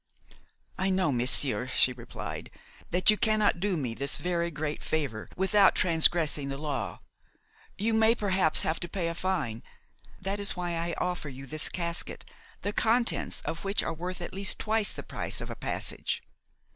"I know, monsieur," she replied, "that you cannot do me this very great favor without transgressing the law; you may perhaps have to pay a fine; that is why I offer you this casket, the contents of which are worth at least twice the price of a passage."